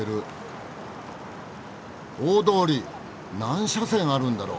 大通り何車線あるんだろう！？